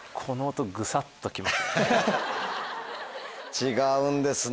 違うんですね